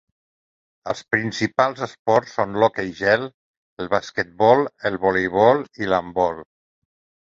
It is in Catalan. Els principals esports són l'hoquei gel, el basquetbol, el voleibol i l'handbol.